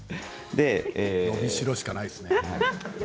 伸びしろしかないですね。